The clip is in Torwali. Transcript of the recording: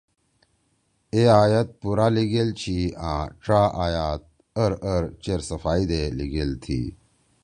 اے آیت پورا لیِگیل چھی آں ڇا آیات اَر اَر چیر صفائی دے لیِگیل تھی